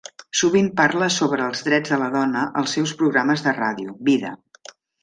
Sovint parla sobre els drets de la dona als seus programes de ràdio, Vida!